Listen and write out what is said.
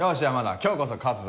今日こそ勝つぞ。